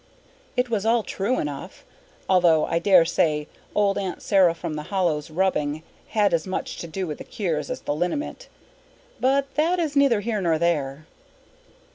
It was all true enough, although I dare say old Aunt Sarah from the Hollow's rubbing had as much to do with the cures as the liniment. But that is neither here nor there.